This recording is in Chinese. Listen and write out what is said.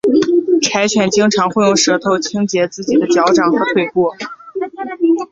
柴犬经常会用舌头清洁自己的脚掌和腿部。